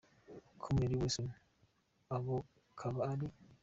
com Nelly Wilson abo kaba ari:.